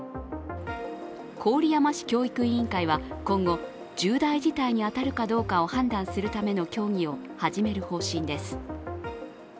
郡山市教育委員会は今後、重大事態に当たるかどうかを判断するための協議を始める方針です。